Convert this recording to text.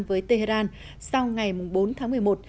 với tehran sau ngày bốn tháng một mươi một